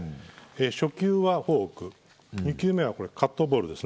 初球はフォーク２球目はカットボール